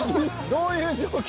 どういう状況？